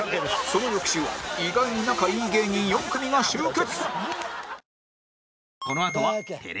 その翌週は意外に仲いい芸人４組が集結